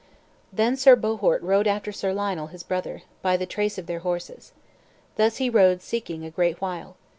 Then Sir Bohort rode after Sir Lionel, his brother, by the trace of their horses. Thus he rode seeking, a great while.